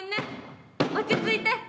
落ち着いて。